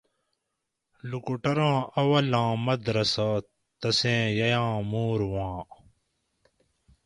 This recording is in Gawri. لوکوٹوراں اولاں مدرسہ تسیں ییاں مُور ہُواں